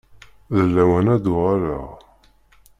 D lawan ad uɣaleɣ.